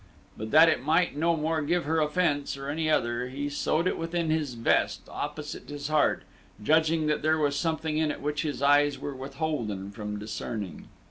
But that it might no more give her offence, or any other, he sewed it within his vest, opposite his heart, judging that there was something in it which his eyes were withholden from discerning.